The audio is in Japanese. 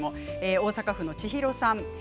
大阪府の方です。